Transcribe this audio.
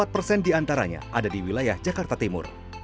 empat puluh empat persen di antaranya ada di wilayah jakarta timur